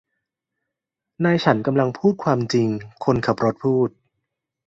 นายฉันกำลังพูดความจริงคนขับรถพูด